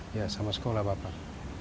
dia bilang mau sekolah bapak